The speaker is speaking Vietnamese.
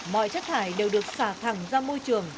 mọi chất thải đều được xả thẳng ra môi trường